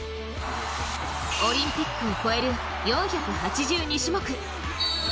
オリンピックを超える４８２種目。